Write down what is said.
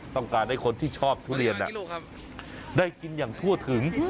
ต้องการให้คนที่ชอบทุเรียนได้กินอย่างทั่วถึง